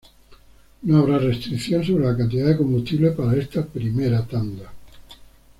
No habrá restricción sobre la cantidad de combustible para esta primera tanda.